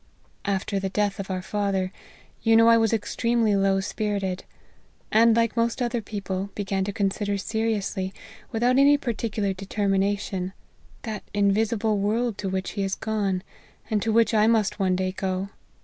" After the death of our father, you know I was extremely low spirited ; and, like most other peo ple, began to consider seriously, without any par ticular determination, that invisible world to which he was gone, and to which I must one day go.